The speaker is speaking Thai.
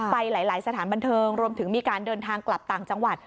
ไปหลายสถานบันเทิงรวมถึงมีการเดินทางกลับต่างจังหวัด